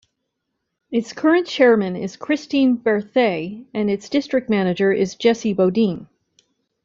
Its current chairman is Christine Berthet, and its District Manager is Jesse Bodine.